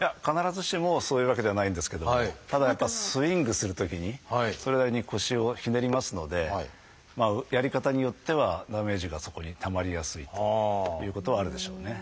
いや必ずしもそういうわけではないんですけどもただやっぱスイングするときにそれなりに腰をひねりますのでやり方によってはダメージがそこにたまりやすいということはあるでしょうね。